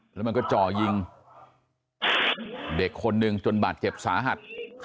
แล้วมันก็จ่อยิงเด็กคนหนึ่งจนบาดเจ็บสาหัส